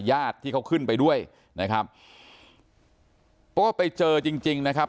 ญาติที่เขาขึ้นไปด้วยนะครับก็ไปเจอจริงจริงนะครับ